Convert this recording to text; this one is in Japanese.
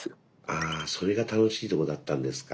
ああそれが楽しいとこだったんですか。